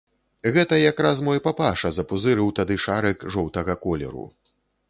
Гэта як раз мой папаша запузырыў тады шарык жоўтага колеру.